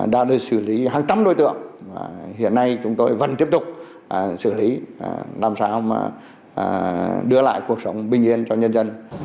đã được xử lý hàng trăm đối tượng hiện nay chúng tôi vẫn tiếp tục xử lý làm sao mà đưa lại cuộc sống bình yên cho nhân dân